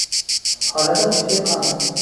حالت خوشی کامل